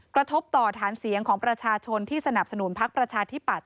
กระทบต่อฐานเสียงของประชาชนที่สนับสนุนพักประชาธิปัตย